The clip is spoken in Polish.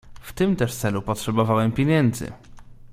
"W tym też celu potrzebowałem pieniędzy."